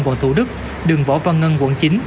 quận thủ đức đường võ văn ngân quận chín